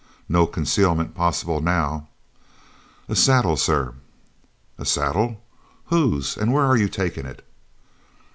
No concealment possible now! "A saddle, sir." "A saddle! Whose, and where are you taking it?"